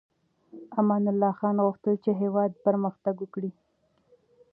امان الله خان غوښتل چې هېواد پرمختګ وکړي.